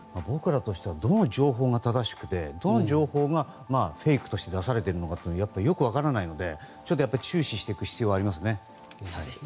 僕らとしてはどの情報が正しくてどの情報がフェイクとして出されているのかよく分からないので注視していく必要があります。